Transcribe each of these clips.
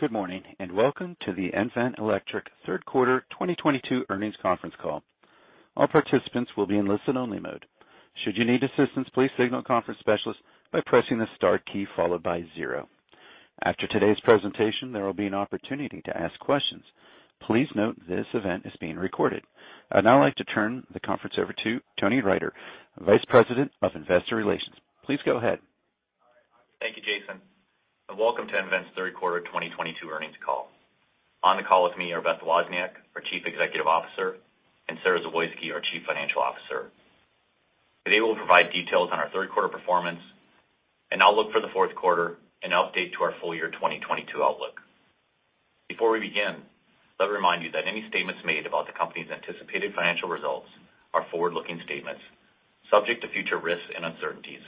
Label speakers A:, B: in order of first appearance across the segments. A: Good morning, and welcome to the nVent Electric third quarter 2022 earnings conference call. All participants will be in listen-only mode. Should you need assistance, please signal the conference specialist by pressing the star key followed by zero. After today's presentation, there will be an opportunity to ask questions. Please note this event is being recorded. I'd now like to turn the conference over to Tony Riter, Vice President of Investor Relations. Please go ahead.
B: Thank you, Jason, and welcome to nVent's third quarter 2022 earnings call. On the call with me are Beth Wozniak, our Chief Executive Officer, and Sara Zawoyski, our Chief Financial Officer. Today, we'll provide details on our third quarter performance, an outlook for the fourth quarter, and an update to our full year 2022 outlook. Before we begin, let me remind you that any statements made about the company's anticipated financial results are forward-looking statements subject to future risks and uncertainties,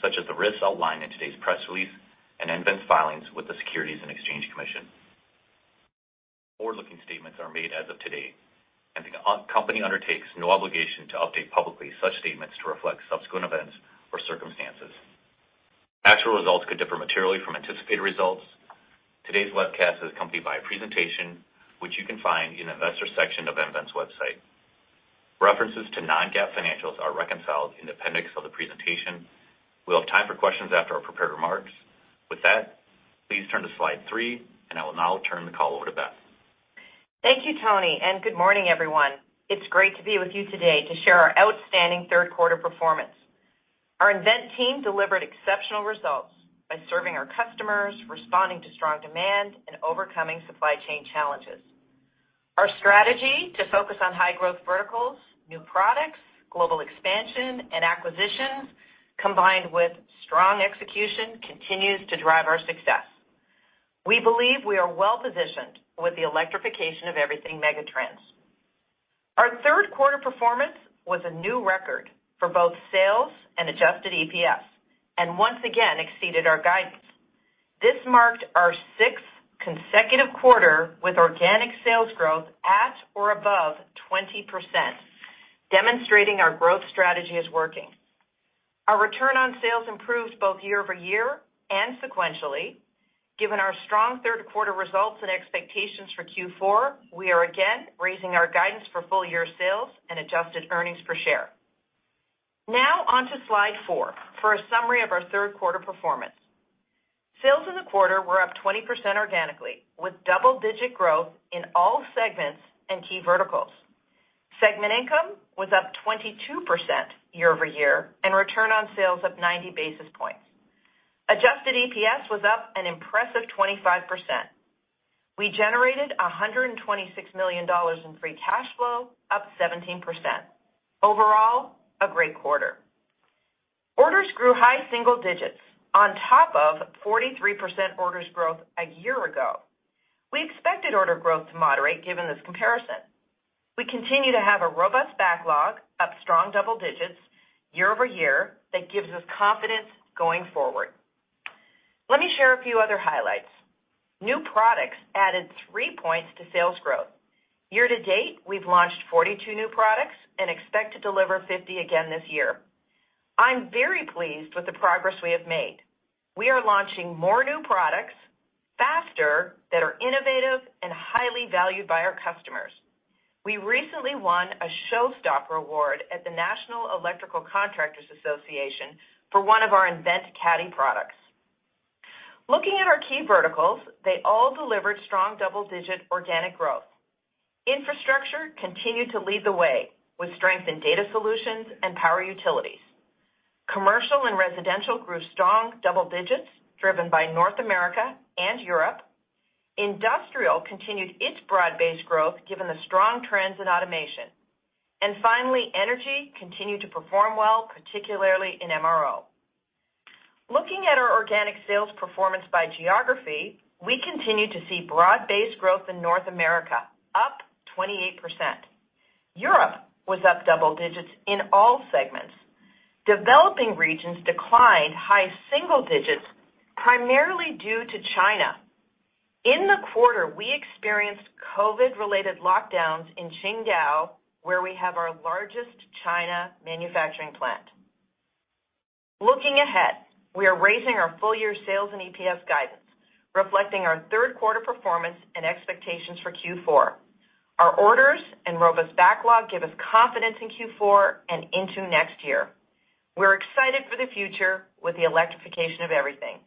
B: such as the risks outlined in today's press release and nVent's filings with the Securities and Exchange Commission. Forward-looking statements are made as of today, and the company undertakes no obligation to update publicly such statements to reflect subsequent events or circumstances. Actual results could differ materially from anticipated results. Today's webcast is accompanied by a presentation, which you can find in the investor section of nVent's website. References to non-GAAP financials are reconciled in appendix of the presentation. We'll have time for questions after our prepared remarks. With that, please turn to slide three, and I will now turn the call over to Beth.
C: Thank you, Tony, and good morning, everyone. It's great to be with you today to share our outstanding third quarter performance. Our nVent team delivered exceptional results by serving our customers, responding to strong demand, and overcoming supply chain challenges. Our strategy to focus on high-growth verticals, new products, global expansion, and acquisitions, combined with strong execution, continues to drive our success. We believe we are well-positioned with the electrification of everything megatrends. Our third quarter performance was a new record for both sales and adjusted EPS, and once again exceeded our guidance. This marked our sixth consecutive quarter with organic sales growth at or above 20%, demonstrating our growth strategy is working. Our return on sales improved both year-over-year and sequentially. Given our strong third quarter results and expectations for Q4, we are again raising our guidance for full year sales and adjusted earnings per share. Now on to slide four for a summary of our third quarter performance. Sales in the quarter were up 20% organically, with double-digit growth in all segments and key verticals. Segment income was up 22% year-over-year, and return on sales up 90 basis points. Adjusted EPS was up an impressive 25%. We generated $126 million in free cash flow, up 17%. Overall, a great quarter. Orders grew high single digits on top of 43% orders growth a year ago. We expected order growth to moderate given this comparison. We continue to have a robust backlog, up strong double digits year-over-year, that gives us confidence going forward. Let me share a few other highlights. New products added three points to sales growth. Year to date, we've launched 42 new products and expect to deliver 50 again this year. I'm very pleased with the progress we have made. We are launching more new products faster that are innovative and highly valued by our customers. We recently won a Showstopper Award at the National Electrical Contractors Association for one of our nVent CADDY products. Looking at our key verticals, they all delivered strong double-digit organic growth. Infrastructure continued to lead the way with strength in data solutions and power utilities. Commercial and residential grew strong double digits, driven by North America and Europe. Industrial continued its broad-based growth given the strong trends in automation. Energy continued to perform well, particularly in MRO. Looking at our organic sales performance by geography, we continue to see broad-based growth in North America, up 28%. Europe was up double digits in all segments. Developing regions declined high single digits, primarily due to China. In the quarter, we experienced COVID-related lockdowns in Qingdao, where we have our largest China manufacturing plant. Looking ahead, we are raising our full year sales and EPS guidance, reflecting our third quarter performance and expectations for Q4. Our orders and robust backlog give us confidence in Q4 and into next year. We're excited for the future with the electrification of everything.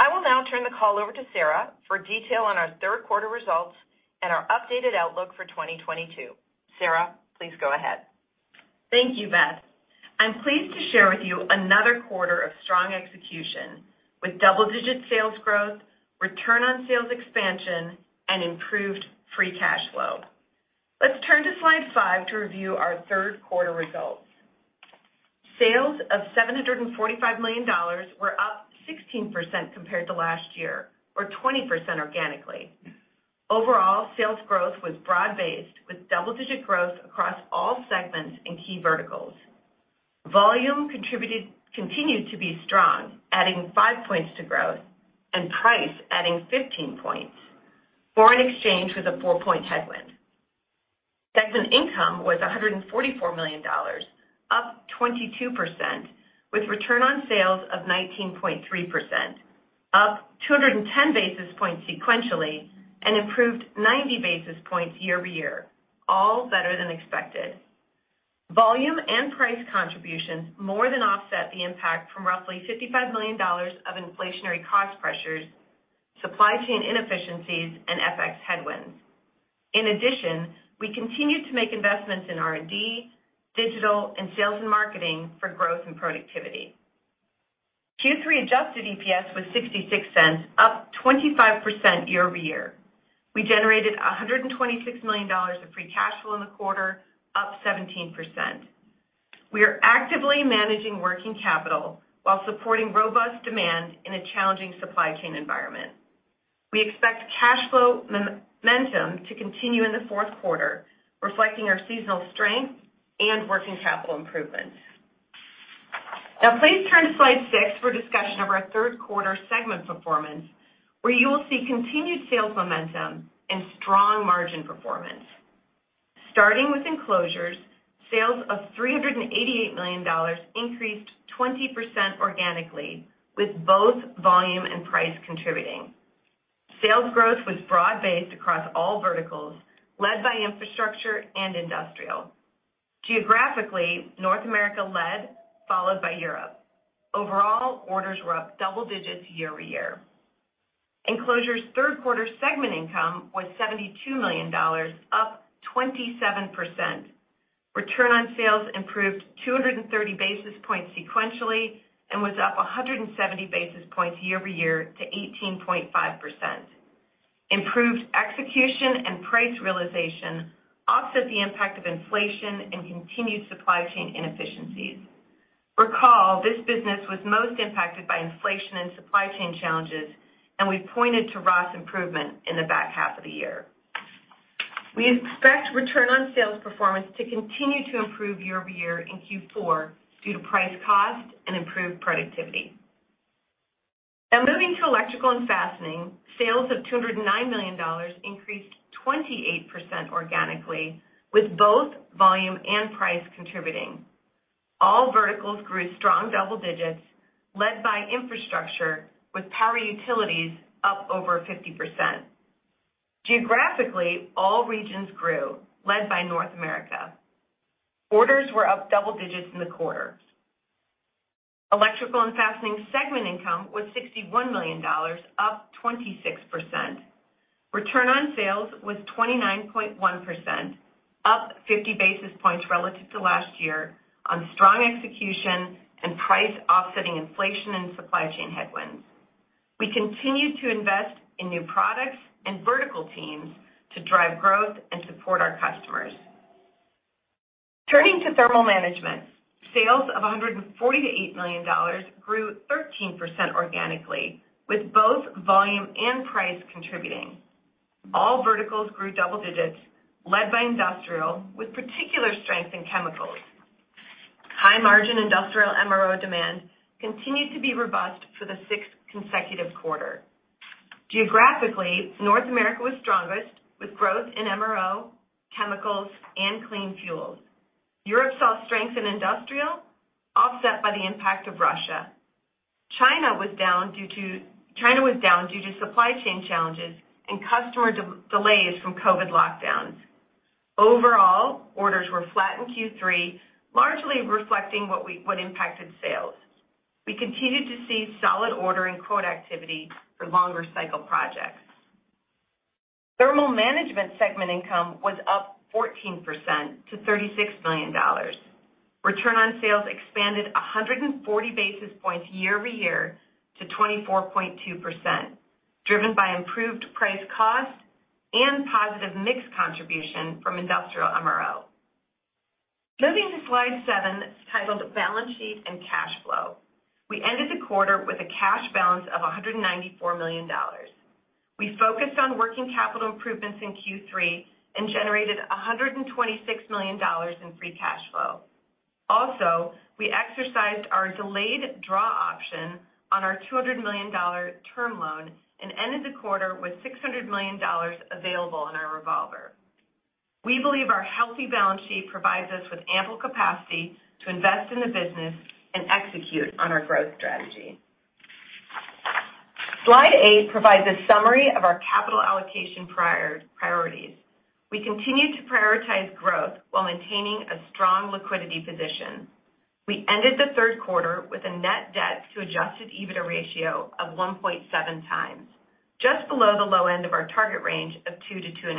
C: I will now turn the call over to Sara for detail on our third quarter results and our updated outlook for 2022. Sara, please go ahead.
D: Thank you, Beth. I'm pleased to share with you another quarter of strong execution with double-digit sales growth, return on sales expansion, and improved free cash flow. Let's turn to slide five to review our third quarter results. Sales of $745 million were up 16% compared to last year or 20% organically. Overall, sales growth was broad-based with double-digit growth across all segments and key verticals. Volume continued to be strong, adding five points to growth, and price adding 15 points. Foreign exchange was a fousix-point headwind. Segment income was $144 million, up 22% with return on sales of 19.3%, up 210 basis points sequentially, and improved 90 basis points year- over- year, all better than expected. Volume and price contributions more than offset the impact from roughly $55 million of inflationary cost pressures, supply chain inefficiencies, and FX headwinds. In addition, we continue to make investments in R&D, digital, and sales and marketing for growth and productivity. Q3 adjusted EPS was $0.66, up 25% year-over-year. We generated $126 million of free cash flow in the quarter, up 17%. We are actively managing working capital while supporting robust demand in a challenging supply chain environment. We expect cash flow momentum to continue in the fourth quarter, reflecting our seasonal strength and working capital improvements. Now please turn to slide six for a discussion of our third quarter segment performance, where you will see continued sales momentum and strong margin performance. Starting with Enclosures, sales of $388 million increased 20% organically, with both volume and price contributing. Sales growth was broad-based across all verticals, led by infrastructure and industrial. Geographically, North America led, followed by Europe. Overall, orders were up double digits year-over-year. Enclosures third quarter segment income was $72 million, up 27%. Return on sales improved 230 basis points sequentially, and was up 170 basis points year-over-year to 18.5%. Improved execution and price realization offset the impact of inflation and continued supply chain inefficiencies. Recall, this business was most impacted by inflation and supply chain challenges, and we pointed to ROS improvement in the back half of the year. We expect return on sales performance to continue to improve year-over-year in Q4 due to price cost and improved productivity. Now moving to Electrical and Fastening, sales of $209 million increased 28% organically, with both volume and price contributing. All verticals grew strong double digits led by infrastructure with power utilities up over 50%. Geographically, all regions grew, led by North America. Orders were up double digits in the quarter. Electrical and Fastening segment income was $61 million, up 26%. Return on sales was 29.1%, up 50 basis points relative to last year on strong execution and price offsetting inflation and supply chain headwinds. We continue to invest in new products and vertical teams to drive growth and support our customers. Turning to thermal management, sales of $148 million grew 13% organically, with both volume and price contributing. All verticals grew double digits led by industrial, with particular strength in chemicals. High-margin industrial MRO demand continued to be robust for the sixth consecutive quarter. Geographically, North America was strongest, with growth in MRO, chemicals, and clean fuels. Europe saw strength in industrial, offset by the impact of Russia. China was down due to supply chain challenges and customer delays from COVID lockdowns. Overall, orders were flat in Q3, largely reflecting what impacted sales. We continued to see solid order and quote activity for longer cycle projects. Thermal management segment income was up 14% to $36 million. Return on sales expanded 140 basis points year-over-year to 24.2%, driven by improved price cost and positive mix contribution from industrial MRO. Moving to slide seven, titled Balance Sheet and Cash Flow. We ended the quarter with a cash balance of $194 million. We focused on working capital improvements in Q3 and generated $126 million in free cash flow. Also, we exercised our delayed draw option on our $200 million term loan and ended the quarter with $600 million available in our revolver. We believe our healthy balance sheet provides us with ample capacity to invest in the business and execute on our growth strategy. Slide eight provides a summary of our capital allocation priorities. We continue to prioritize growth while maintaining a strong liquidity position. We ended the third quarter with a net debt to adjusted EBITDA ratio of 1.7 times, just below the low end of our target range of 2-2.5.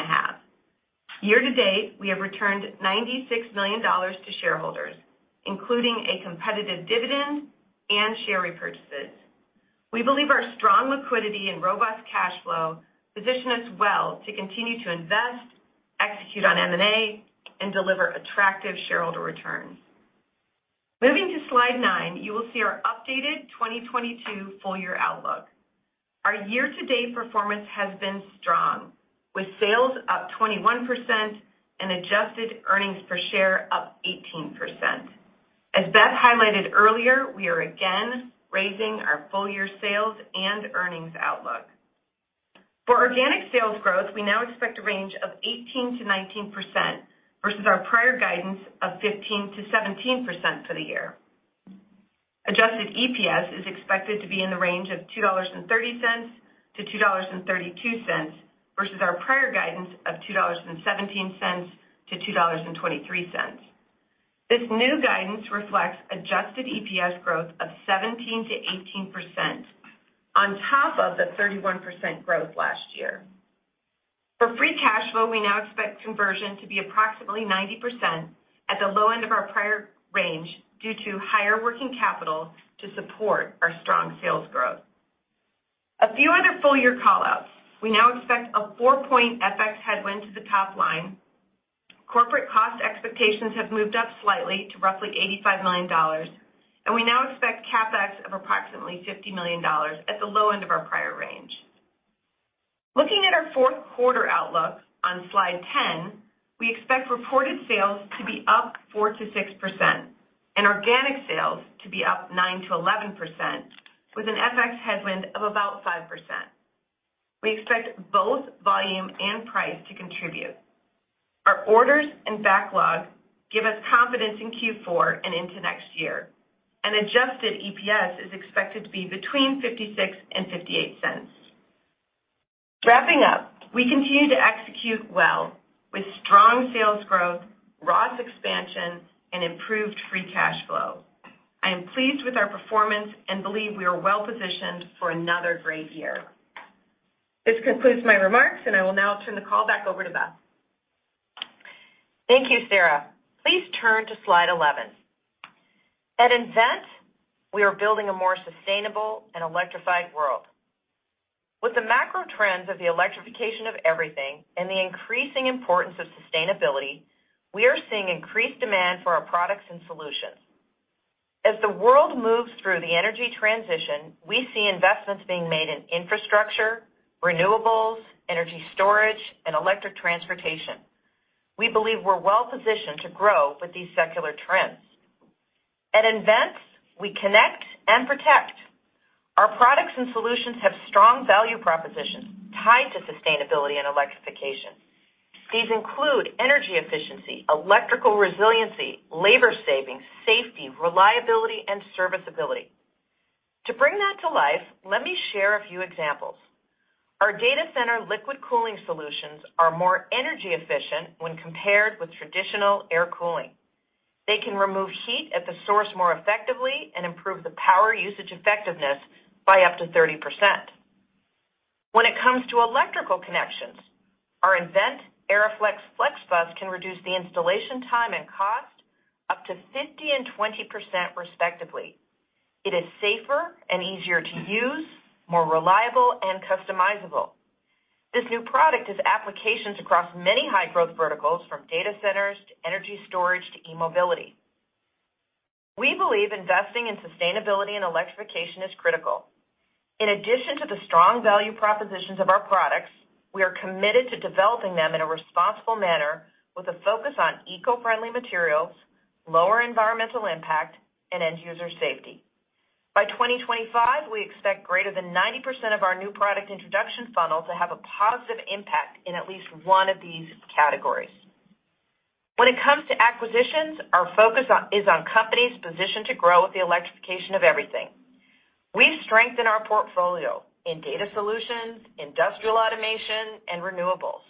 D: Year-to-date, we have returned $96 million to shareholders, including a competitive dividend and share repurchases. We believe our strong liquidity and robust cash flow position us well to continue to invest, execute on M&A, and deliver attractive shareholder returns. Moving to slide nine, you will see our updated 2022 full year outlook. Our year-to-date performance has been strong, with sales up 21% and adjusted earnings per share up 18%. As Beth highlighted earlier, we are again raising our full year sales and earnings outlook. For organic sales growth, we now expect a range of 18%-19% versus our prior guidance of 15%-17% for the year. Adjusted EPS is expected to be in the range of $2.30-$2.32 versus our prior guidance of $2.17-$2.23. This new guidance reflects adjusted EPS growth of 17%-18% on top of the 31% growth last year. For free cash flow, we now expect conversion to be approximately 90% at the low end of our prior range due to higher working capital to support our strong sales growth. A few other full-year callouts. We now expect a four-point FX headwind to the top line. Corporate cost expectations have moved up slightly to roughly $85 million, and we now expect CapEx of approximately $50 million at the low end of our prior range. Looking at our fourth quarter outlook on slide 10, we expect reported sales to be up 4%-6% and organic sales to be up 9%-11% with an FX headwind of about 5%. We expect both volume and price to contribute. Our orders and backlog give us confidence in Q4 and into next year, and adjusted EPS is expected to be between $0.56 and $0.58. Wrapping up, we continue to execute well with strong sales growth, ROS expansion and improved free cash flow. I am pleased with our performance and believe we are well positioned for another great year. This concludes my remarks, and I will now turn the call back over to Beth.
C: Thank you, Sara. Please turn to slide 11. At nVent, we are building a more sustainable and electrified world. With the macro trends of the electrification of everything and the increasing importance of sustainability, we are seeing increased demand for our products and solutions. As the world moves through the energy transition, we see investments being made in infrastructure, renewables, energy storage, and electric transportation. We believe we're well positioned to grow with these secular trends. At nVent, we connect and protect. Our products and solutions have strong value propositions tied to sustainability and electrification. These include energy efficiency, electrical resiliency, labor savings, safety, reliability, and serviceability. To bring that to life, let me share a few examples. Our data center liquid cooling solutions are more energy efficient when compared with traditional air cooling. They can remove heat at the source more effectively and improve the power usage effectiveness by up to 30%. When it comes to electrical connections, our nVent ERIFLEX Flexibar can reduce the installation time and cost up to 50% and 20%, respectively. It is safer and easier to use, more reliable and customizable. This new product has applications across many high-growth verticals from data centers to energy storage to e-mobility. We believe investing in sustainability and electrification is critical. In addition to the strong value propositions of our products, we are committed to developing them in a responsible manner with a focus on eco-friendly materials, lower environmental impact, and end user safety. By 2025, we expect greater than 90% of our new product introduction funnel to have a positive impact in at least one of these categories. When it comes to acquisitions, our focus is on companies positioned to grow with the electrification of everything. We strengthen our portfolio in data solutions, industrial automation, and renewables.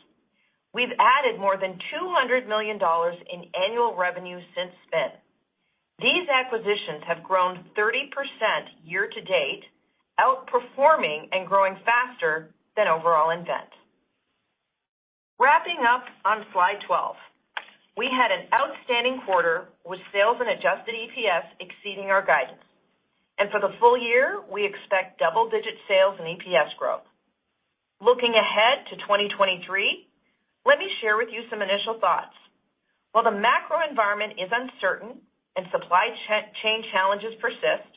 C: We've added more than $200 million in annual revenue since spin. These acquisitions have grown 30% year to date, outperforming and growing faster than overall nVent. Wrapping up on slide 12. We had an outstanding quarter with sales and adjusted EPS exceeding our guidance. For the full- year, we expect double-digit sales and EPS growth. Looking ahead to 2023, let me share with you some initial thoughts. While the macro environment is uncertain and supply chain challenges persist,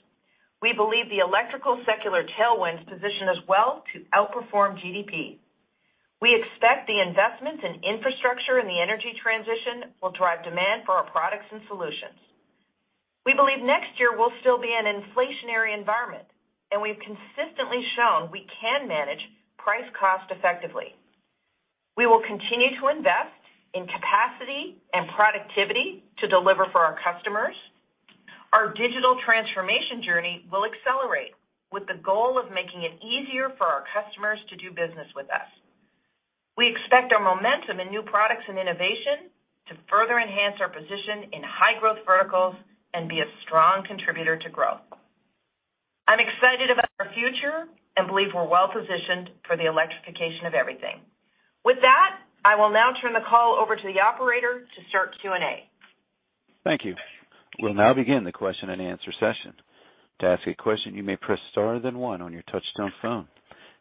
C: we believe the electrical secular tailwinds position us well to outperform GDP. We expect the investments in infrastructure and the energy transition will drive demand for our products and solutions. We believe next year will still be an inflationary environment, and we've consistently shown we can manage price cost effectively. We will continue to invest in capacity and productivity to deliver for our customers. Our digital transformation journey will accelerate with the goal of making it easier for our customers to do business with us. We expect our momentum in new products and innovation to further enhance our position in high growth verticals and be a strong contributor to growth. I'm excited about our future and believe we're well positioned for the electrification of everything. With that, I will now turn the call over to the operator to start Q&A.
A: Thank you. We'll now begin the question and answer session. To ask a question, you may press star then one on your touchtone phone.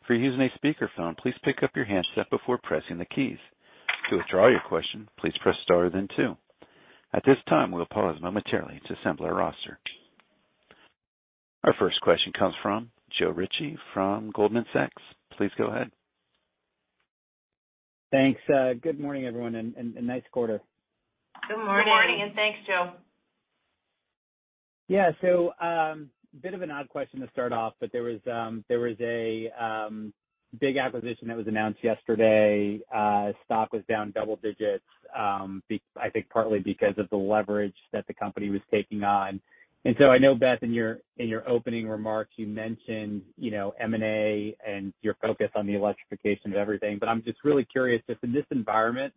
A: If you're using a speaker phone, please pick up your handset before pressing the keys. To withdraw your question, please press star then two. At this time, we'll pause momentarily to assemble our roster. Our first question comes from Joe Ritchie from Goldman Sachs. Please go ahead.
E: Thanks. Good morning, everyone, and nice quarter.
C: Good morning.
D: Good morning, and thanks, Joe.
E: Yeah. A bit of an odd question to start off, but there was a big acquisition that was announced yesterday. Stock was down double digits. I think partly because of the leverage that the company was taking on. I know, Beth, in your opening remarks, you mentioned, you know, M&A and your focus on the electrification of everything. I'm just really curious if in this environment,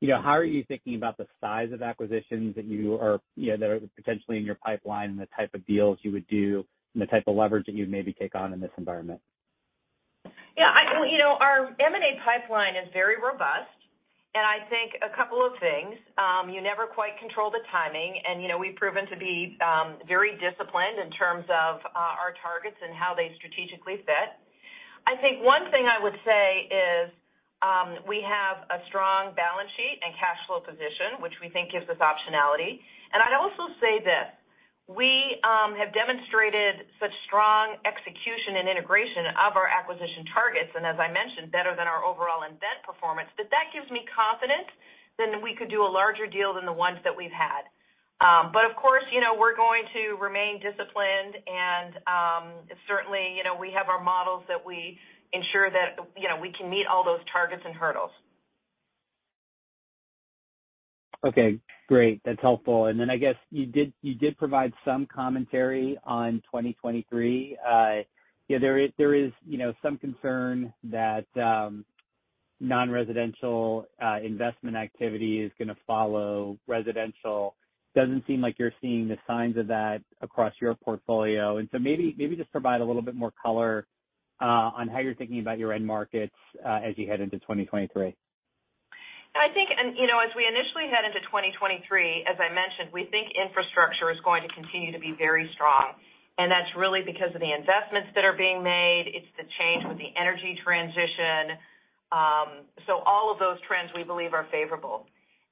E: you know, how are you thinking about the size of acquisitions that are potentially in your pipeline and the type of deals you would do and the type of leverage that you'd maybe take on in this environment?
C: Yeah. You know, our M&A pipeline is very robust. I think a couple of things, you never quite control the timing. You know, we've proven to be very disciplined in terms of our targets and how they strategically fit. I think one thing I would say is, we have a strong balance sheet and cash flow position, which we think gives us optionality. I'd also say this, we have demonstrated such strong execution and integration of our acquisition targets, and as I mentioned, better than our overall nVent performance. That gives me confidence that we could do a larger deal than the ones that we've had. But of course, you know, we're going to remain disciplined. Certainly, you know, we have our models that we ensure that, you know, we can meet all those targets and hurdles.
E: Okay. Great. That's helpful. I guess you did provide some commentary on 2023. Yeah, there is, you know, some concern that non-residential investment activity is gonna follow residential. Doesn't seem like you're seeing the signs of that across your portfolio. Maybe just provide a little bit more color on how you're thinking about your end markets as you head into 2023.
C: I think, you know, as we initially head into 2023, as I mentioned, we think infrastructure is going to continue to be very strong, and that's really because of the investments that are being made. It's the change with the energy transition. All of those trends we believe are favorable.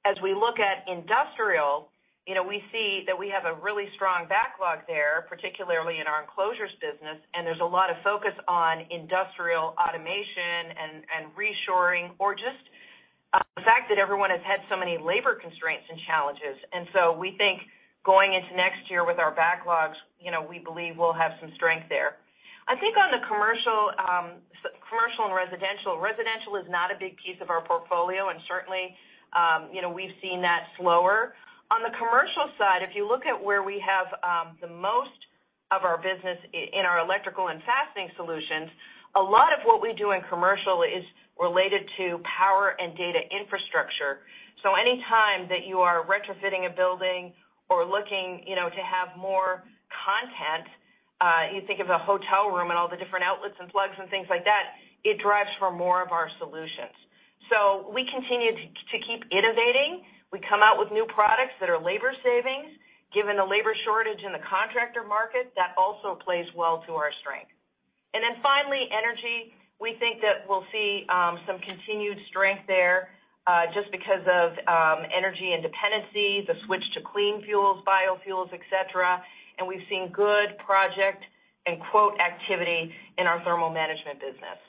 C: As we look at industrial, you know, we see that we have a really strong backlog there, particularly in our Enclosures business, and there's a lot of focus on industrial automation and reshoring or just the fact that everyone has had so many labor constraints and challenges. We think going into next year with our backlogs, you know, we believe we'll have some strength there. I think on the commercial and residential is not a big piece of our portfolio. Certainly, you know, we've seen that slower. On the commercial side, if you look at where we have the most of our business in our Electrical and Fastening Solutions, a lot of what we do in commercial is related to power and data infrastructure. Any time that you are retrofitting a building or looking, you know, to have more content, you think of a hotel room and all the different outlets and plugs and things like that, it drives for more of our solutions. We continue to keep innovating. We come out with new products that are labor savings. Given the labor shortage in the contractor market, that also plays well to our strength. Finally, energy. We think that we'll see some continued strength there, just because of energy independence, the switch to clean fuels, biofuels, et cetera. We've seen good project and quote activity in our Thermal Management business.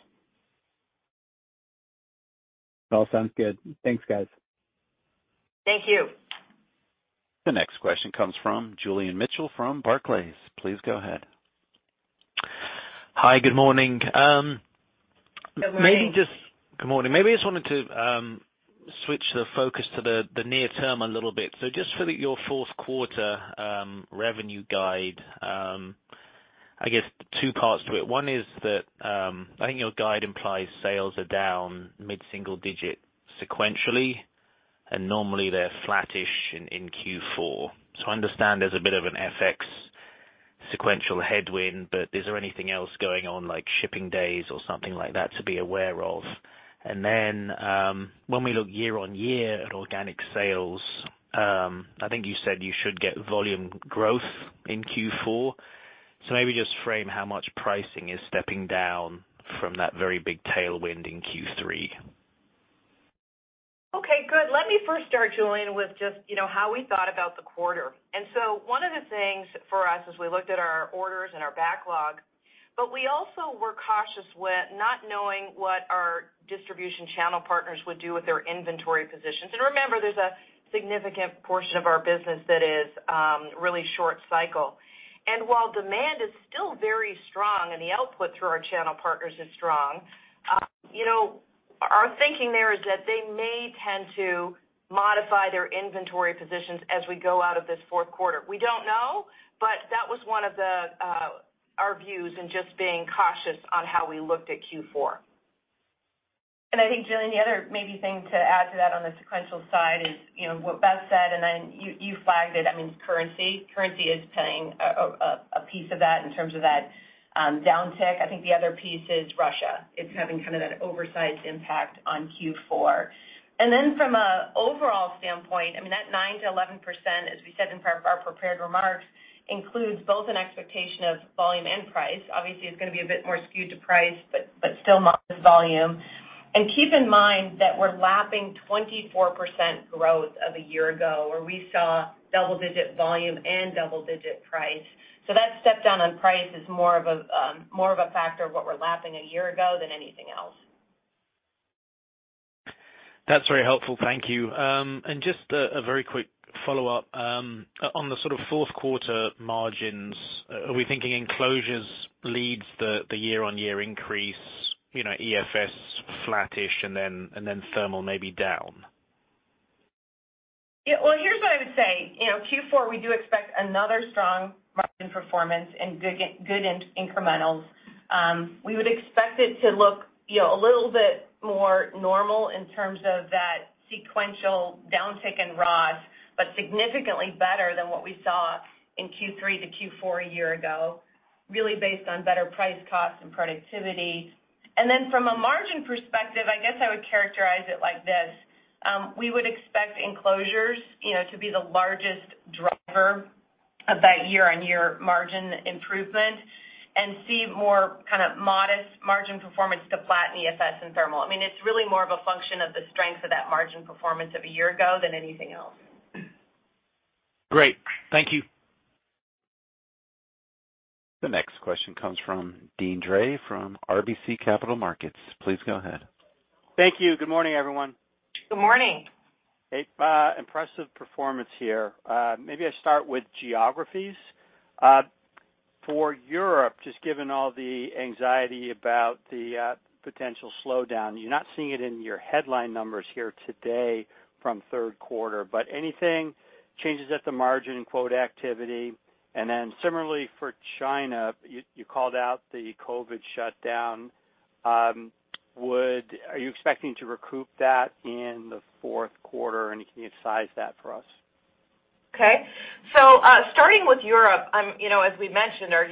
E: All sounds good. Thanks, guys.
C: Thank you.
A: The next question comes from Julian Mitchell from Barclays. Please go ahead.
F: Hi. Good morning.
C: Good morning.
F: Good morning. Maybe I just wanted to switch the focus to the near term a little bit. Just for your fourth quarter revenue guide, I guess two parts to it. One is that I think your guide implies sales are down mid-single digit sequentially, and normally they're flattish in Q4. I understand there's a bit of an FX sequential headwind, but is there anything else going on like shipping days or something like that to be aware of? Then, when we look year-on-year at organic sales, I think you said you should get volume growth in Q4. Maybe just frame how much pricing is stepping down from that very big tailwind in Q3.
C: Okay, good. Let me first start, Julian, with just, you know, how we thought about the quarter. One of the things for us as we looked at our orders and our backlog, but we also were cautious with not knowing what our distribution channel partners would do with their inventory positions. Remember, there's a significant portion of our business that is really short cycle. While demand is still very strong and the output through our channel partners is strong, you know, our thinking there is that they may tend to modify their inventory positions as we go out of this fourth quarter. We don't know, but that was one of the our views in just being cautious on how we looked at Q4.
D: I think, Julian, the other maybe thing to add to that on the sequential side is, you know, what Beth said, and then you flagged it. I mean, it's currency. Currency is playing a piece of that in terms of that downtick. I think the other piece is Russia. It's having kind of that oversized impact on Q4. From a overall standpoint, I mean, that 9%-11%, as we said in our prepared remarks, includes both an expectation of volume and price. Obviously, it's gonna be a bit more skewed to price, but still not the volume. Keep in mind that we're lapping 24% growth of a year ago, where we saw double-digit volume and double-digit price. That step down on price is more of a factor of what we're lapping a year ago than anything else.
F: That's very helpful. Thank you. Just a very quick follow-up. On the sort of fourth quarter margins, are we thinking Enclosures leads the year-on-year increase, you know, EFS flattish and then Thermal maybe down?
D: Yeah. Well, here's what I would say. You know, Q4, we do expect another strong margin performance and good increments. We would expect it to look, you know, a little bit more normal in terms of that sequential downtick in raw, but significantly better than what we saw in Q3 to Q4 a year ago, really based on better price, cost, and productivity. From a margin perspective, I guess I would characterize it like this. We would expect Enclosures, you know, to be the largest driver of that year-on-year margin improvement and see more kind of modest margin performance to flat in EFS and Thermal. I mean, it's really more of a function of the strength of that margin performance of a year ago than anything else.
F: Great. Thank you.
A: The next question comes from Deane Dray from RBC Capital Markets. Please go ahead.
G: Thank you. Good morning, everyone.
D: Good morning.
G: An impressive performance here. Maybe I start with geographies. For Europe, just given all the anxiety about the potential slowdown, you're not seeing it in your headline numbers here today from third quarter, but anything changes at the margin in quote activity? Similarly for China, you called out the COVID shutdown. Are you expecting to recoup that in the fourth quarter? Can you size that for us?
D: Okay. Starting with Europe, you know, as we mentioned, our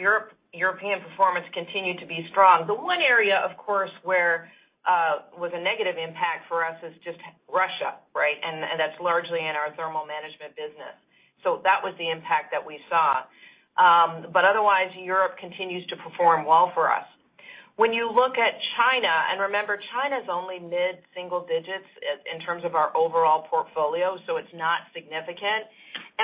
D: European performance continued to be strong. The one area, of course, where was a negative impact for us is just Russia, right? That's largely in our Thermal Management business. That was the impact that we saw. Otherwise, Europe continues to perform well for us. When you look at China, and remember, China's only mid-single digits in terms of our overall portfolio, so it's not significant.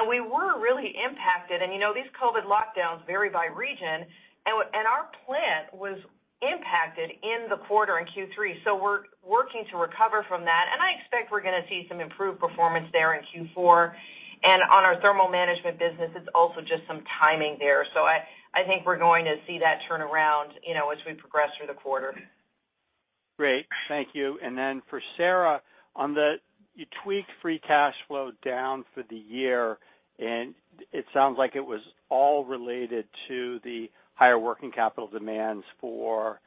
D: We were really impacted. You know, these COVID lockdowns vary by region. Our plant was impacted in the quarter in Q3. We're working to recover from that, and I expect we're gonna see some improved performance there in Q4. On our Thermal Management business, it's also just some timing there. I think we're going to see that turn around, you know, as we progress through the quarter.
G: Great. Thank you. For Sara, you tweaked free cash flow down for the year, and it sounds like it was all related to the higher working capital demands for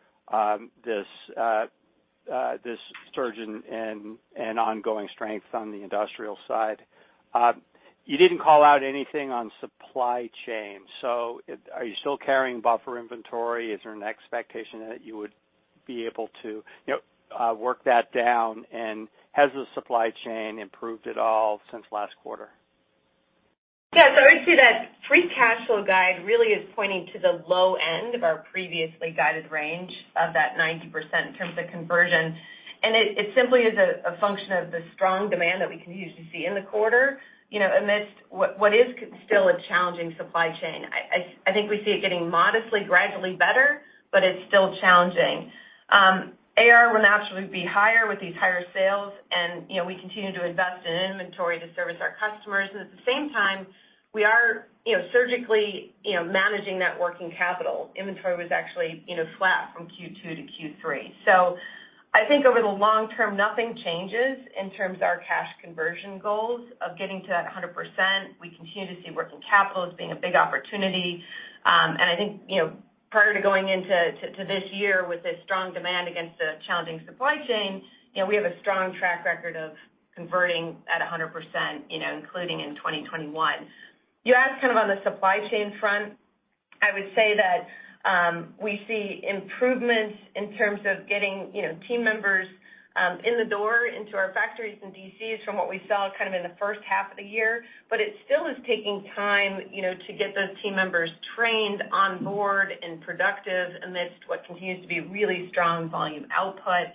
G: this surge in an ongoing strength on the industrial side. You didn't call out anything on supply chain. Are you still carrying buffer inventory? Is there an expectation that you would be able to, you know, work that down? Has the supply chain improved at all since last quarter?
D: Yeah. I would say that free cash flow guide really is pointing to the low end of our previously guided range of that 90% in terms of conversion. It simply is a function of the strong demand that we continue to see in the quarter, you know, amidst what is still a challenging supply chain. I think we see it getting modestly, gradually better, but it's still challenging. AR will naturally be higher with these higher sales and, you know, we continue to invest in inventory to service our customers. At the same time, we are, you know, surgically, you know, managing that working capital. Inventory was actually, you know, flat from Q2 to Q3. I think over the long- term, nothing changes in terms of our cash conversion goals of getting to 100%. We continue to see working capital as being a big opportunity. I think, you know, prior to going into to this year with a strong demand against a challenging supply chain, you know, we have a strong track record of converting at 100%, you know, including in 2021. You asked kind of on the supply chain front. I would say that, we see improvements in terms of getting, you know, team members, in the door into our factories and DCs from what we saw kind of in the first half of the year. It still is taking time, you know, to get those team members trained on board and productive amidst what continues to be really strong volume output.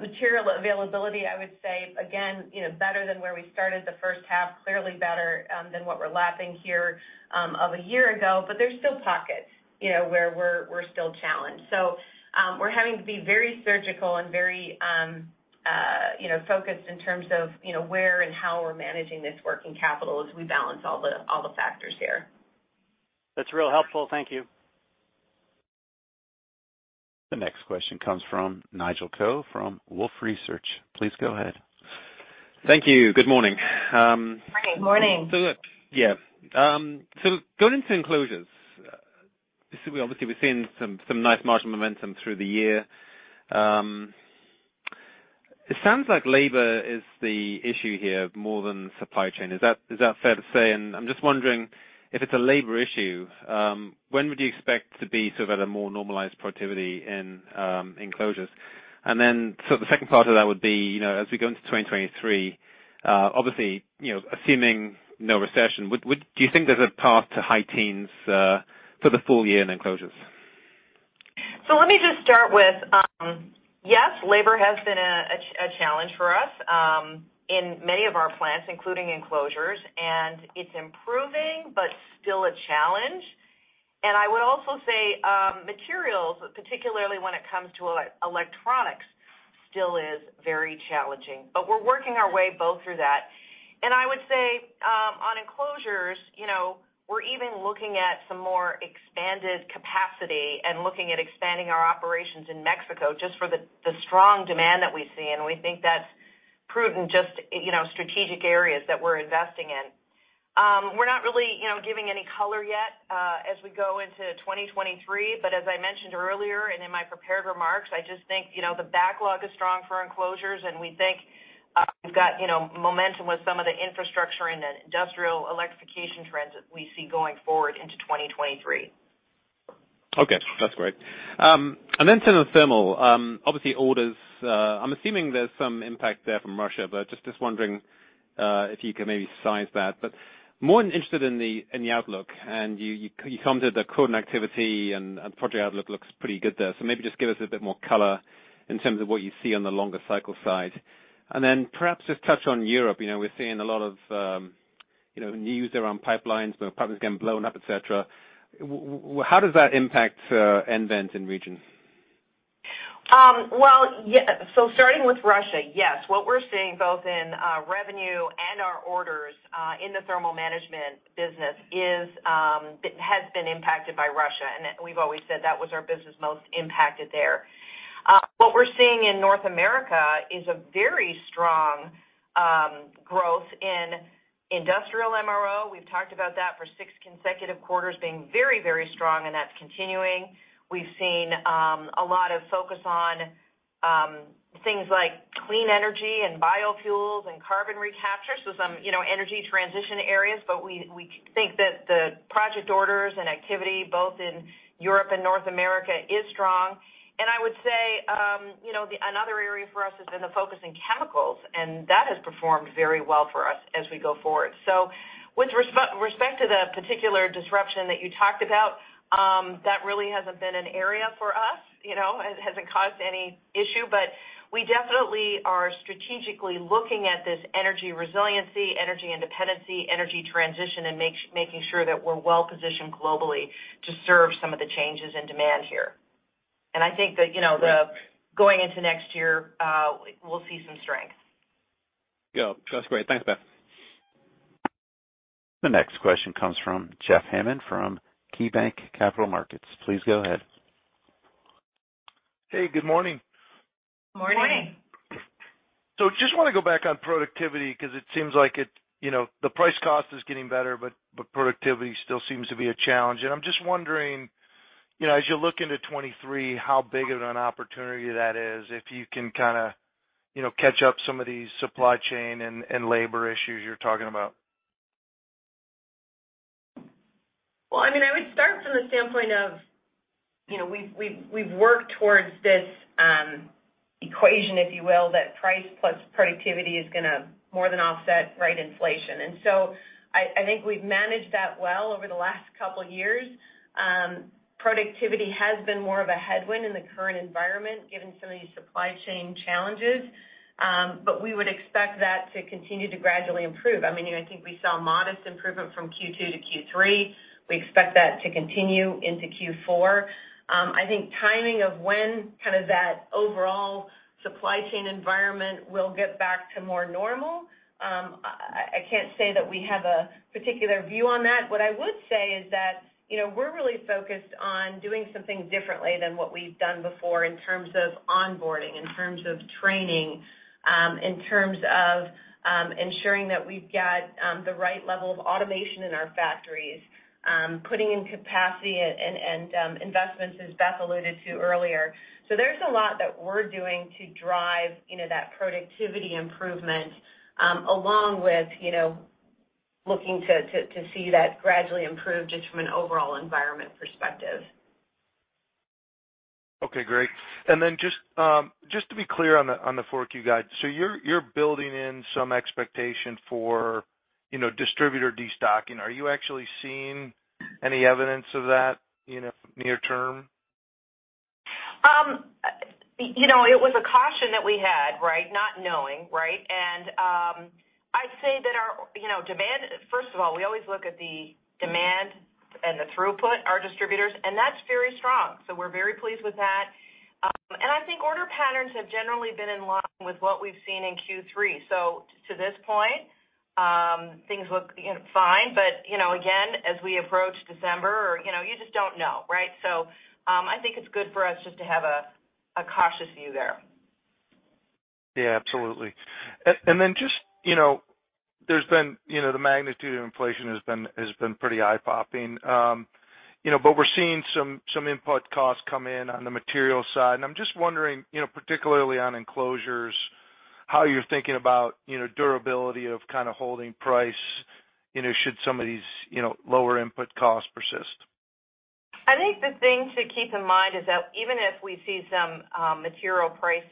D: Material availability, I would say again, you know, better than where we started the first half, clearly better than what we're lapping here of a year ago. There's still pockets, you know, where we're still challenged. We're having to be very surgical and very, you know, focused in terms of, you know, where and how we're managing this working capital as we balance all the factors here.
G: That's real helpful. Thank you.
A: The next question comes from Nigel Coe from Wolfe Research. Please go ahead.
H: Thank you. Good morning.
D: Good morning.
H: Yeah, going into Enclosures, we obviously are seeing some nice marginal momentum through the year. It sounds like labor is the issue here more than supply chain. Is that fair to say? I'm just wondering if it's a labor issue, when would you expect to be sort of at a more normalized productivity in Enclosures? The second part of that would be, you know, as we go into 2023, obviously, you know, assuming no recession, do you think there's a path to high teens for the full- year in Enclosures?
D: Let me just start with yes, labor has been a challenge for us in many of our plants, including Enclosures, and it's improving, but still a challenge.
C: So, materials, particularly when it comes to electronics, still is very challenging, but we're working our way both through that. I would say, on Enclosures, you know, we're even looking at some more expanded capacity and looking at expanding our operations in Mexico just for the strong demand that we see, and we think that's prudent, just, you know, strategic areas that we're investing in. We're not really, you know, giving any color yet, as we go into 2023, but as I mentioned earlier and in my prepared remarks, I just think, you know, the backlog is strong for Enclosures, and we think, we've got, you know, momentum with some of the infrastructure and the industrial electrification trends that we see going forward into 2023.
H: Okay, that's great. Then thermal. Obviously, orders, I'm assuming there's some impact there from Russia, but just wondering if you can maybe size that. But more interested in the outlook, and you commented the quote and activity and project outlook looks pretty good there. So maybe just give us a bit more color in terms of what you see on the longer cycle side. Then perhaps just touch on Europe. You know, we're seeing a lot of, you know, news around pipelines. The pipelines getting blown up, et cetera. How does that impact nVent in region?
C: Starting with Russia, yes. What we're seeing both in revenue and our orders in the Thermal Management business has been impacted by Russia, and we've always said that was our business most impacted there. What we're seeing in North America is a very strong growth in industrial MRO. We've talked about that for six consecutive quarters being very, very strong, and that's continuing. We've seen a lot of focus on things like clean energy and biofuels and carbon recapture, so some, you know, energy transition areas. We think that the project orders and activity both in Europe and North America is strong. I would say, you know, another area for us has been the focus in chemicals, and that has performed very well for us as we go forward. With respect to the particular disruption that you talked about, that really hasn't been an area for us. You know, it hasn't caused any issue. We definitely are strategically looking at this energy resiliency, energy independency, energy transition, and making sure that we're well positioned globally to serve some of the changes in demand here. I think that, you know, the going into next year, we'll see some strength.
H: Yeah. That's great. Thanks, Beth.
A: The next question comes from Jeff Hammond from KeyBanc Capital Markets. Please go ahead.
I: Hey, good morning.
D: Morning. Morning.
I: Just wanna go back on productivity 'cause it seems like it, you know, the price cost is getting better, but productivity still seems to be a challenge. I'm just wondering, you know, as you look into 2023, how big of an opportunity that is if you can kinda, you know, catch up some of these supply chain and labor issues you're talking about.
D: Well, I mean, I would start from the standpoint of, you know, we've worked towards this equation, if you will, that price plus productivity is gonna more than offset, right, inflation. I think we've managed that well over the last couple years. Productivity has been more of a headwind in the current environment given some of these supply chain challenges, but we would expect that to continue to gradually improve. I mean, you know, I think we saw modest improvement from Q2 to Q3. We expect that to continue into Q4. I think the timing of when kind of that overall supply chain environment will get back to more normal, I can't say that we have a particular view on that. What I would say is that, you know, we're really focused on doing something differently than what we've done before in terms of onboarding, in terms of training, in terms of ensuring that we've got the right level of automation in our factories, putting in capacity and investments, as Beth alluded to earlier. There's a lot that we're doing to drive, you know, that productivity improvement, along with, you know, looking to see that gradually improve just from an overall environment perspective.
I: Okay, great. Just to be clear on the 4Q guide. You're building in some expectation for, you know, distributor destocking. Are you actually seeing any evidence of that, you know, near term?
C: You know, it was a caution that we had, right? Not knowing, right? I'd say that our, you know, demand. First of all, we always look at the demand and the throughput, our distributors, and that's very strong. We're very pleased with that. I think order patterns have generally been in line with what we've seen in Q3. To this point, things look, you know, fine. You know, again, as we approach December or, you know, you just don't know, right? I think it's good for us just to have a cautious view there.
I: Yeah, absolutely. Just, you know, there's been, you know, the magnitude of inflation has been pretty eye-popping. You know, but we're seeing some input costs come in on the material side, and I'm just wondering, you know, particularly on Enclosures, how you're thinking about, you know, durability of kinda holding price, you know, should some of these, you know, lower input costs persist.
C: I think the thing to keep in mind is that even if we see some material price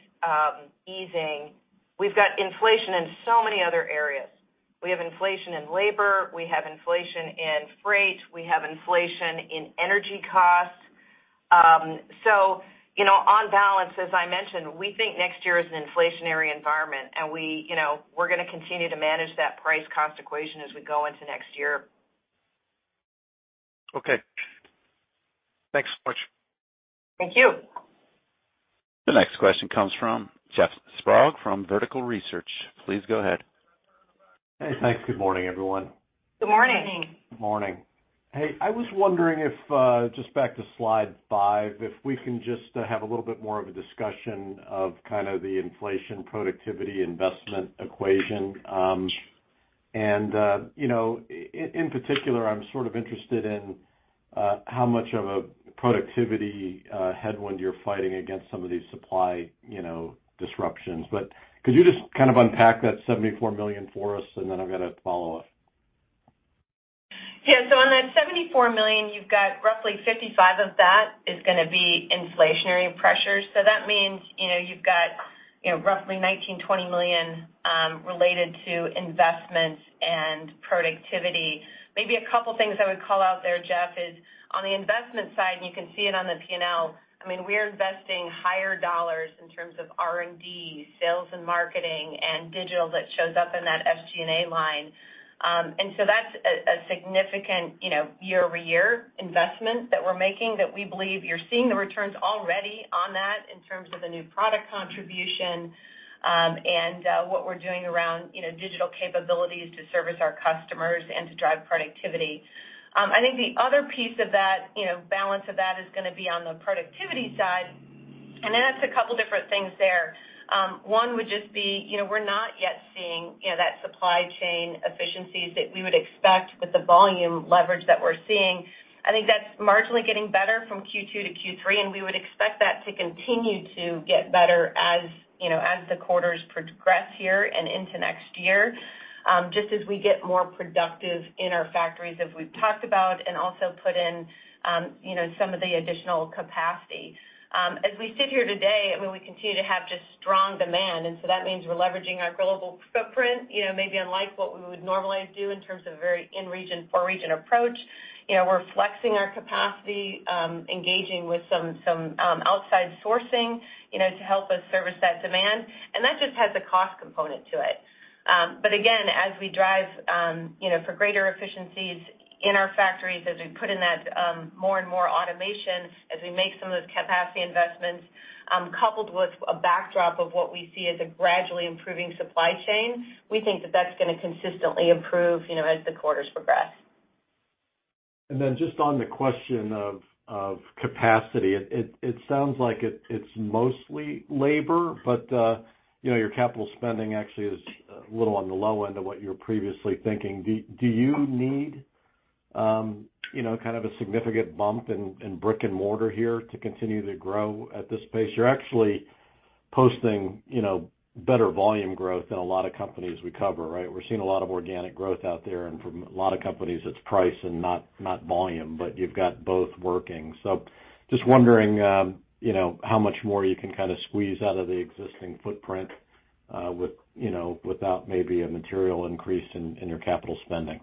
C: easing, we've got inflation in so many other areas. We have inflation in labor, we have inflation in freight, we have inflation in energy costs. So, you know, on balance, as I mentioned, we think next year is an inflationary environment, and we, you know, we're gonna continue to manage that price cost equation as we go into next year.
I: Okay. Thanks so much.
D: Thank you.
A: The next question comes from Jeff Sprague from Vertical Research. Please go ahead.
J: Hey, thanks. Good morning, everyone.
D: Good morning. Morning.
J: Good morning. Hey, I was wondering if just back to slide five, if we can just have a little bit more of a discussion of kind of the inflation productivity investment equation. And you know, in particular, I'm sort of interested in how much of a productivity headwind you're fighting against some of these supply you know disruptions. But could you just kind of unpack that $74 million for us, and then I've got a follow-up?
D: Yeah. On that $74 million, you've got roughly $55 million of that is gonna be inflationary pressures. That means, you know, you've got, you know, roughly $19-$20 million related to investments and productivity. Maybe a couple things I would call out there, Jeff, is on the investment side, and you can see it on the P&L. I mean, we are investing higher dollars in terms of R&D, sales and marketing, and digital that shows up in that SG&A line. That's a significant, you know, year-over-year investment that we're making that we believe you're seeing the returns already on that in terms of the new product contribution, and what we're doing around, you know, digital capabilities to service our customers and to drive productivity. I think the other piece of that, you know, balance of that is gonna be on the productivity side, and that's a couple different things there. One would just be, you know, we're not yet seeing, you know, that supply chain efficiencies that we would expect with the volume leverage that we're seeing. I think that's marginally getting better from Q2 to Q3, and we would expect that to continue to get better as, you know, as the quarters progress here and into next year, just as we get more productive in our factories as we've talked about and also put in, you know, some of the additional capacity. As we sit here today, I mean, we continue to have just strong demand, and so that means we're leveraging our global footprint, you know, maybe unlike what we would normally do in terms of very in-region, region-for-region approach. You know, we're flexing our capacity, engaging with some outsourcing, you know, to help us service that demand. That just has a cost component to it. Again, as we drive, you know, for greater efficiencies in our factories as we put in that more and more automation, as we make some of those capacity investments, coupled with a backdrop of what we see as a gradually improving supply chain, we think that that's gonna consistently improve, you know, as the quarters progress.
J: Then just on the question of capacity, it sounds like it's mostly labor, but you know, your capital spending actually is a little on the low end of what you were previously thinking. Do you need you know, kind of a significant bump in brick and mortar here to continue to grow at this pace? You're actually posting you know, better volume growth than a lot of companies we cover, right? We're seeing a lot of organic growth out there, and for a lot of companies, it's price and not volume, but you've got both working. Just wondering you know, how much more you can kind of squeeze out of the existing footprint with you know, without maybe a material increase in your capital spending.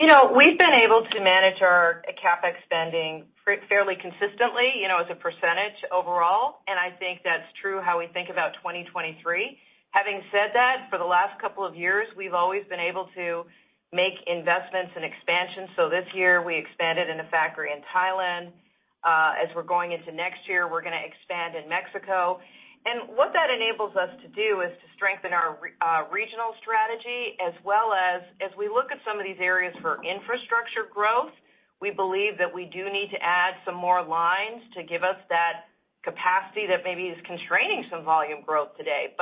D: You know, we've been able to manage our CapEx spending fairly consistently, you know, as a percentage overall, and I think that's true how we think about 2023. Having said that, for the last couple of years, we've always been able to make investments in expansion. This year, we expanded in a factory in Thailand. As we're going into next year, we're gonna expand in Mexico. What that enables us to do is to strengthen our regional strategy as well as we look at some of these areas for infrastructure growth, we believe that we do need to add some more lines to give us that capacity that maybe is constraining some volume growth today.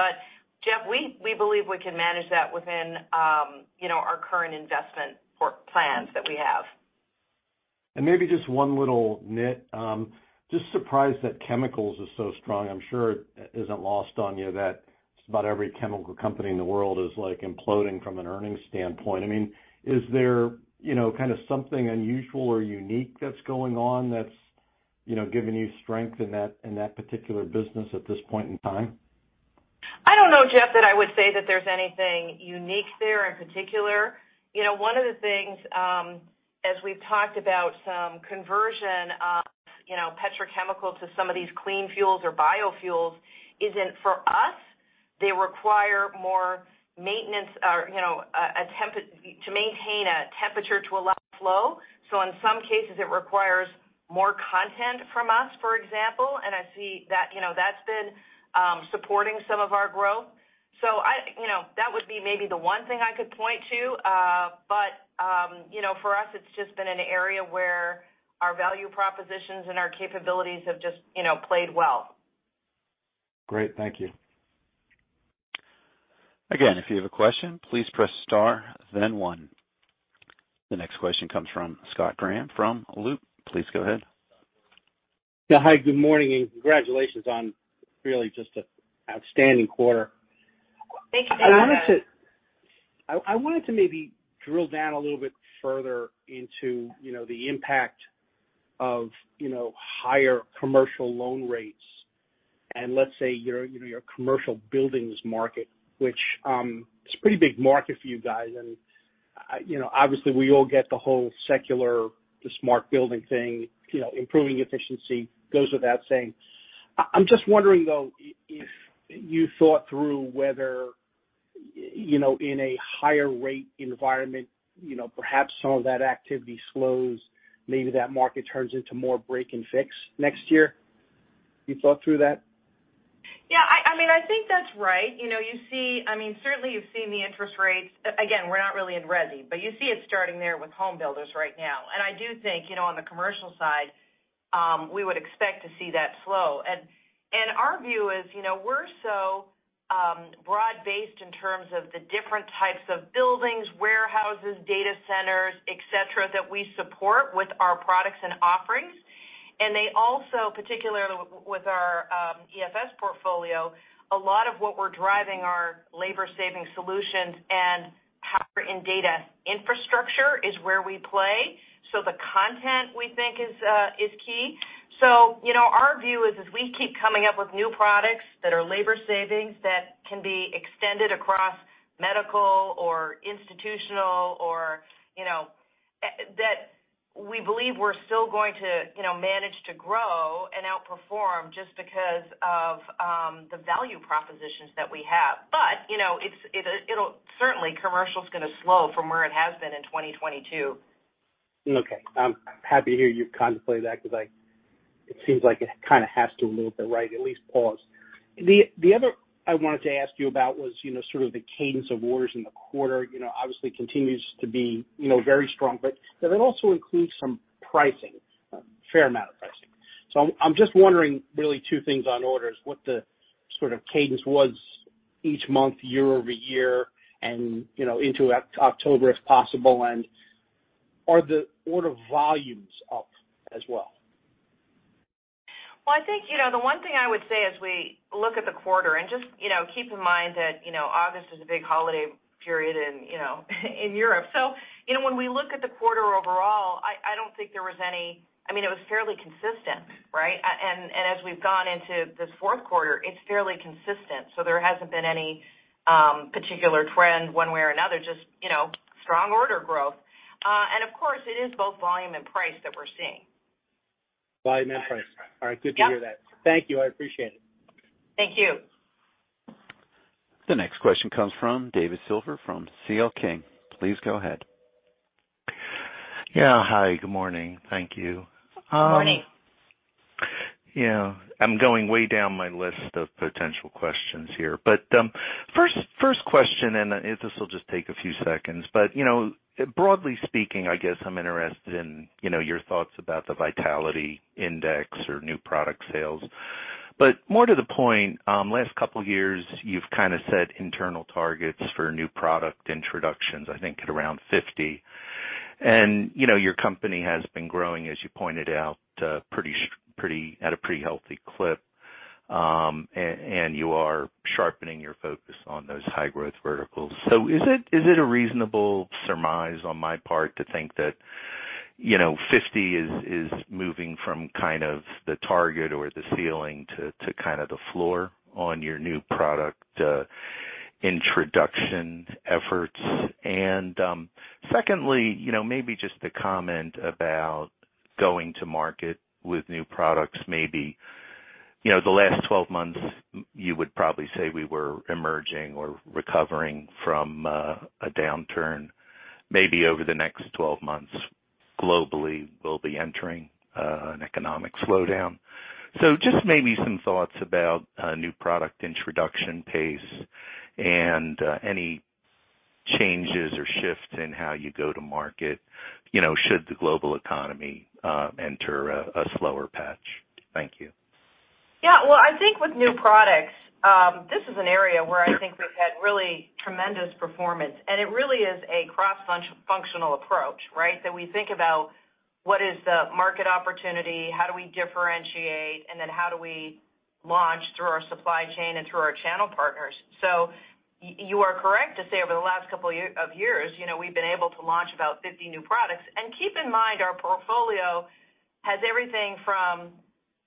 D: Jeff, we believe we can manage that within, you know, our current investment portfolio plans that we have.
J: Maybe just one little nit. Just surprised that chemicals is so strong. I'm sure it isn't lost on you that just about every chemical company in the world is, like, imploding from an earnings standpoint. I mean, is there, you know, kind of something unusual or unique that's going on that's, you know, giving you strength in that particular business at this point in time?
D: I don't know, Jeff, that I would say that there's anything unique there in particular. You know, one of the things, as we've talked about some conversion of, you know, petrochemical to some of these clean fuels or biofuels is in for us, they require more maintenance or, you know, to maintain a temperature to allow flow. In some cases, it requires more content from us, for example, and I see that, you know, that's been supporting some of our growth. I, you know, that would be maybe the one thing I could point to. You know, for us, it's just been an area where our value propositions and our capabilities have just, you know, played well.
J: Great. Thank you.
A: Again, if you have a question, please press star then one. The next question comes from Scott Graham from Loop. Please go ahead.
K: Yeah. Hi, good morning, and congratulations on really just an outstanding quarter.
D: Thank you.
K: I wanted to maybe drill down a little bit further into, you know, the impact of, you know, higher commercial loan rates and let's say your, you know, your commercial buildings market, which is a pretty big market for you guys. You know, obviously we all get the whole secular, the smart building thing, you know, improving efficiency goes without saying. I'm just wondering, though, if you thought through whether you know, in a higher rate environment, you know, perhaps some of that activity slows, maybe that market turns into more break and fix next year. You thought through that?
C: Yeah. I mean, I think that's right. You know, you see, I mean, certainly, you've seen the interest rates. Again, we're not really in resi, but you see it starting there with home builders right now. I do think, you know, on the commercial side, we would expect to see that slow. Our view is, you know, we're so broad-based in terms of the different types of buildings, warehouses, data centers, et cetera, that we support with our products and offerings. They also, particularly with our EFS portfolio, a lot of what we're driving are labor savings solutions and power in data infrastructure is where we play. The content we think is key. You know, our view is as we keep coming up with new products that are labor savings that can be extended across medical or institutional or, you know, that we believe we're still going to, you know, manage to grow and outperform just because of, the value propositions that we have. But, you know, it'll certainly commercial's gonna slow from where it has been in 2022.
K: Okay. I'm happy to hear you contemplate that 'cause it seems like it kinda has to a little bit, right? At least pause. The other I wanted to ask you about was, you know, sort of the cadence of orders in the quarter. You know, obviously continues to be, you know, very strong, but that it also includes some pricing, a fair amount of pricing. So I'm just wondering really two things on orders. What the sort of cadence was each month, year- over- year, and, you know, into October, if possible, and are the order volumes up as well?
C: Well, I think, you know, the one thing I would say as we look at the quarter and just, you know, keep in mind that, you know, August is a big holiday period in, you know, in Europe. You know, when we look at the quarter overall, I don't think there was any. I mean, it was fairly consistent, right? And as we've gone into this fourth quarter, it's fairly consistent. There hasn't been any particular trend one way or another, just, you know, strong order growth. And of course, it is both volume and price that we're seeing.
K: Volume and price.
C: Yep.
K: All right. Good to hear that. Thank you. I appreciate it.
C: Thank you.
A: The next question comes from David Silver from C.L. King. Please go ahead.
L: Yeah. Hi, good morning. Thank you.
C: Good morning.
L: Yeah. I'm going way down my list of potential questions here. First question, and this will just take a few seconds. You know, broadly speaking, I guess I'm interested in, you know, your thoughts about the vitality index or new product sales. More to the point, last couple years, you've kinda set internal targets for new product introductions, I think, at around 50. You know, your company has been growing, as you pointed out, at a pretty healthy clip. And you are sharpening your focus on those high growth verticals. Is it a reasonable surmise on my part to think that, you know, 50 is moving from kind of the target or the ceiling to kind of the floor on your new product introduction efforts? Secondly, you know, maybe just a comment about going to market with new products. Maybe, you know, the last 12 months you would probably say we were emerging or recovering from a downturn. Maybe over the next 12 months, globally, we'll be entering an economic slowdown. Just maybe some thoughts about new product introduction pace and any changes or shifts in how you go to market, you know, should the global economy enter a slower patch. Thank you.
C: Yeah. Well, I think with new products, this is an area where I think we've had really tremendous performance, and it really is a cross-functional approach, right? That we think about what is the market opportunity, how do we differentiate, and then how do we launch through our supply chain and through our channel partners. You are correct to say over the last couple of years, you know, we've been able to launch about 50 new products. Keep in mind our portfolio has everything from,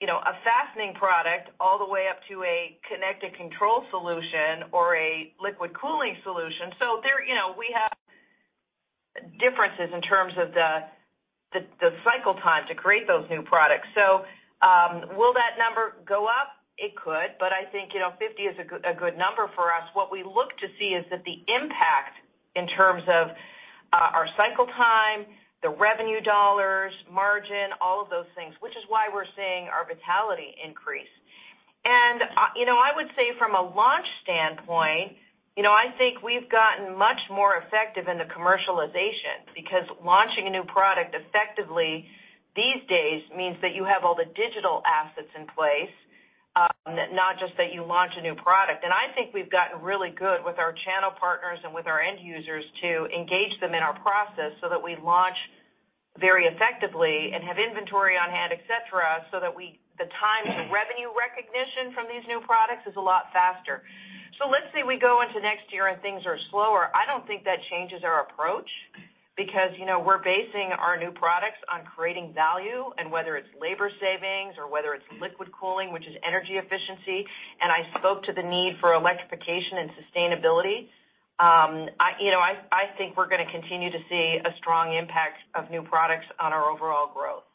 C: you know, a fastening product all the way up to a connected control solution or a liquid cooling solution. There, you know, we have differences in terms of the cycle time to create those new products. Will that number go up? It could, but I think, you know, 50 is a good number for us. What we look to see is that the impact in terms of our cycle time, the revenue dollars, margin, all of those things, which is why we're seeing our vitality increase. I would say from a launch standpoint, you know, I think we've gotten much more effective in the commercialization, because launching a new product effectively these days means that you have all the digital assets in place, not just that you launch a new product. I think we've gotten really good with our channel partners and with our end users to engage them in our process so that we launch very effectively and have inventory on hand, et cetera, so that the time to revenue recognition from these new products is a lot faster. Let's say we go into next year and things are slower. I don't think that changes our approach because, you know, we're basing our new products on creating value and whether it's labor savings or whether it's liquid cooling, which is energy efficiency. I spoke to the need for electrification and sustainability. You know, I think we're gonna continue to see a strong impact of new products on our overall growth.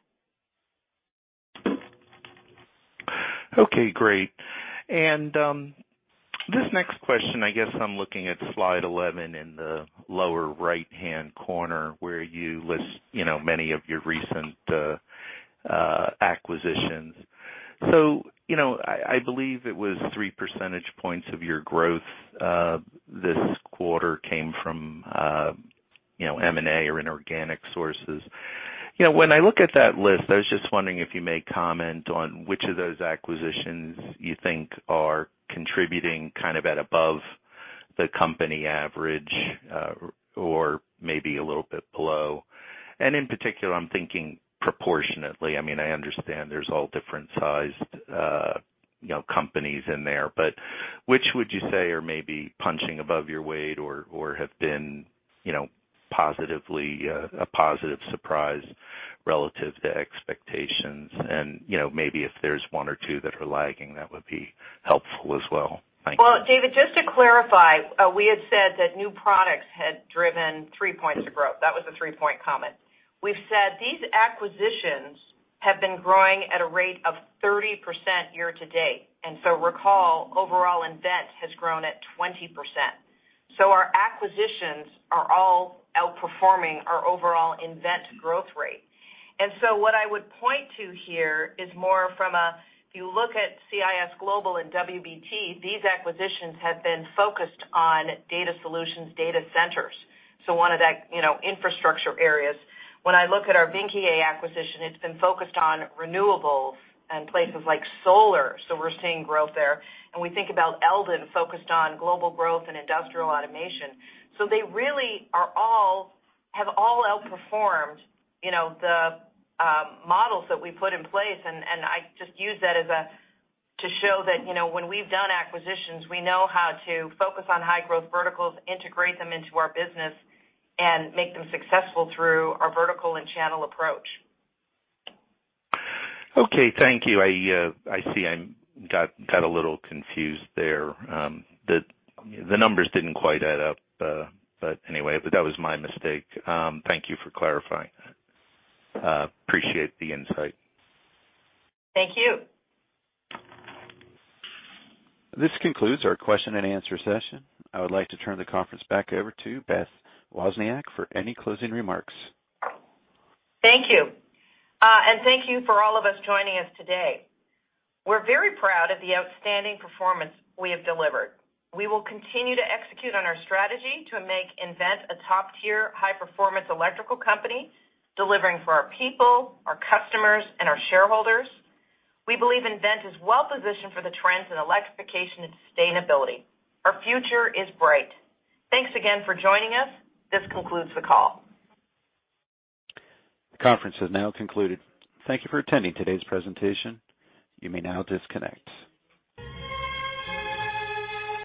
L: Okay, great. This next question, I guess I'm looking at slide 11 in the lower right-hand corner where you list, you know, many of your recent acquisitions. You know, I believe it was three percentage points of your growth this quarter came from, you know, M&A or inorganic sources. You know, when I look at that list, I was just wondering if you may comment on which of those acquisitions you think are contributing kind of at above the company average or maybe a little bit below. In particular, I'm thinking proportionately. I mean, I understand there's all different sized, you know, companies in there, but which would you say are maybe punching above your weight or have been, you know, positively a positive surprise relative to expectations? You know, maybe if there's one or two that are lagging, that would be helpful as well. Thank you.
C: Well, David, just to clarify, we had said that new products had driven three points of growth. That was a three-point comment. We've said these acquisitions have been growing at a rate of 30% year to date. Recall, overall nVent has grown at 20%. Our acquisitions are all outperforming our overall nVent growth rate. What I would point to here is more from a, if you look at CIS Global and WBT, these acquisitions have been focused on data solutions, data centers, so one of the, you know, infrastructure areas. When I look at our Trachte acquisition, it's been focused on renewables and places like solar, so we're seeing growth there. We think about Eldon focused on global growth and industrial automation. They really have all outperformed, you know, the models that we put in place. I just use that to show that, you know, when we've done acquisitions, we know how to focus on high-growth verticals, integrate them into our business, and make them successful through our vertical and channel approach.
L: Okay, thank you. I see I got a little confused there. The numbers didn't quite add up. But anyway, that was my mistake. Thank you for clarifying that. Appreciate the insight.
C: Thank you.
A: This concludes our question and answer session. I would like to turn the conference back over to Beth Wozniak for any closing remarks.
C: Thank you. Thank you for all of us joining us today. We're very proud of the outstanding performance we have delivered. We will continue to execute on our strategy to make nVent a top-tier high-performance electrical company, delivering for our people, our customers and our shareholders. We believe nVent is well-positioned for the trends in electrification and sustainability. Our future is bright. Thanks again for joining us. This concludes the call.
A: The conference has now concluded. Thank you for attending today's presentation. You may now disconnect.